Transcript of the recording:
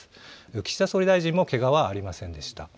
岸田総理大臣もけがはありませんでした。